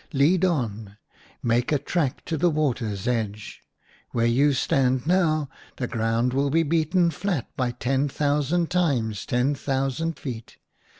Lead on ! make a track to the water's edge ! Where you stand now, the ground will be beaten flat by ten thousand times ten thousand feet."